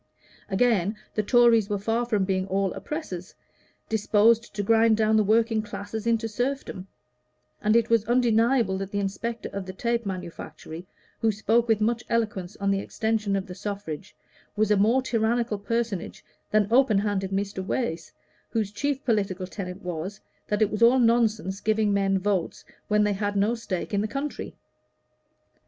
Again, the Tories were far from being all oppressors, disposed to grind down the working classes into serfdom; and it was undeniable that the inspector at the tape manufactory, who spoke with much eloquence on the extension of the suffrage, was a more tyrannical personage than open handed Mr. Wace, whose chief political tenet was that it was all nonsense to give men votes when they had no stake in the country.